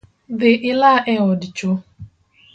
Dhi ila e od cho